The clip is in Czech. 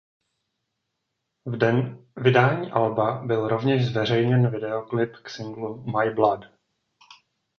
V den vydání alba byl rovněž zveřejněn videoklip k singlu "My Blood".